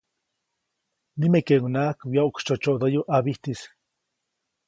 Nimekeʼunŋaʼak wyoʼksytsyoʼtsyoʼdäyu ʼabijtis.